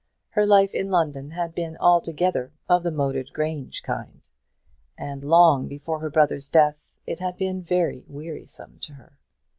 Her life in London had been altogether of the moated grange kind, and long before her brother's death it had been very wearisome to her.